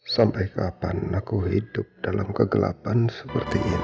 sampai kapan aku hidup dalam kegelapan seperti ini